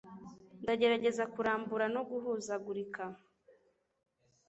Ndagerageza kurambura no guhuzagurika